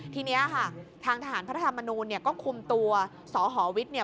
ทีนี้ค่ะทางทหารพระธรรมนูลเนี่ยก็คุมตัวสหวิทย์เนี่ย